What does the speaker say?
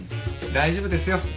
大丈夫ですよ。